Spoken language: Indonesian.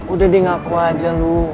udah deng aku aja lo